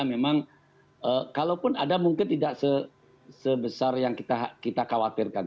memang kalaupun ada mungkin tidak sebesar yang kita khawatirkan